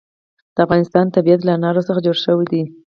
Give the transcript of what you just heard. د افغانستان طبیعت له انار څخه جوړ شوی دی.